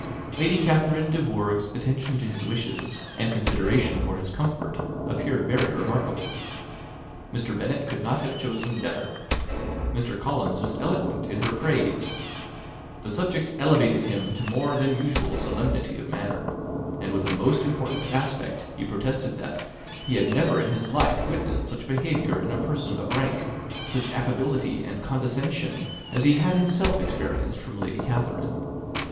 Lady Catherine de Bourgh's attention to his wishes, and consideration for his comfort, appeared very remarkable. Mr. Bennet could not have chosen better. Mr. Collins was eloquent in her praise. The subject elevated him to more than usual solemnity of manner; and with a most important aspect he protested that he had never in his life witnessed such behaviour in a person of rank such affability and condescension, as he had himself experienced from Lady Catherine.